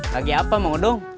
lagi apa mau dong